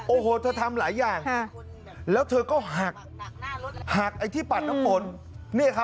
โอ้โหเธอทำหลายอย่างแล้วเธอก็หักหักไอ้ที่ปัดน้ำฝน